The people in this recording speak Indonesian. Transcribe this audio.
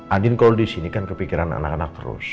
adin kalau di sini kan kepikiran anak anak terus